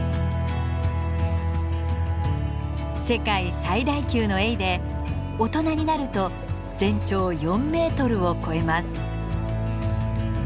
世界最大級のエイで大人になると全長４メートルを超えます。